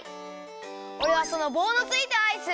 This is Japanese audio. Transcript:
おれはそのぼうのついたアイス！